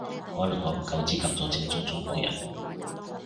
可能我唔夠資格做正宗中國人